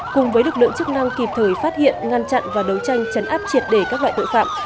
cùng với lực lượng chức năng kịp thời phát hiện ngăn chặn và đấu tranh chấn áp triệt để các loại tội phạm